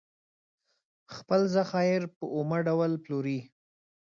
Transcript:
خپل ذخایر په اومه ډول پلوري.